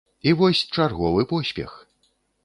І вось чарговы поспех!